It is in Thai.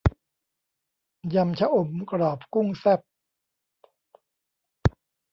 ยำชะอมกรอบกุ้งแซ่บ